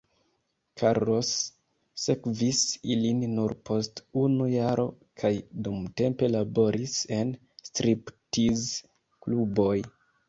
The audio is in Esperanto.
Carlos sekvis ilin nur post unu jaro kaj dumtempe laboris en striptiz-kluboj.